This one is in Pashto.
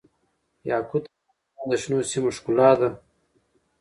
یاقوت د افغانستان د شنو سیمو ښکلا ده.